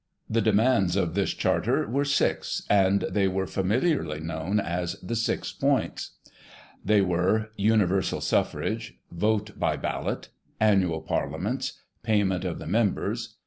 The demands of this " Charter " were six, and they were familiarly known as the six points. They were : Universal SuflFrage. Vote by Ballot. Annual Parlieiments. Payment of the Members.